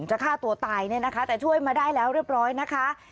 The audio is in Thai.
ฆ่าตัวตายเนี่ยนะคะแต่ช่วยมาได้แล้วเรียบร้อยนะคะ